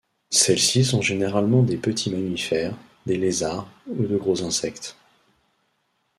Celles-ci sont généralement des petits mammifères, des lézards ou de gros insectes.